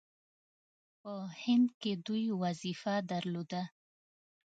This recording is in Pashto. په هند کې دوی وظیفه درلوده.